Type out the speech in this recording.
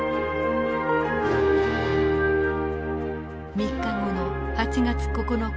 ３日後の８月９日。